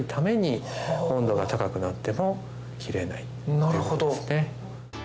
っていうことですね。